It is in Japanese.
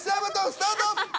スタート。